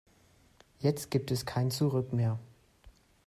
Jetzt gibt es kein Zurück mehr.